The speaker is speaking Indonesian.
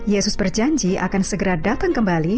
yesus berjanji akan segera datang kembali